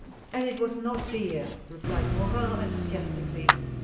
" And it was not dear !" replied Morin, enthusiasti cally.